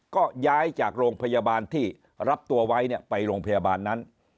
ก็ย้ายจากโรงพยาบาลที่รับตัวไว้ไปโรงพยาบาลนั้น